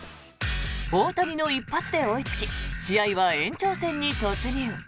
大谷の一発で追いつき試合は延長戦に突入。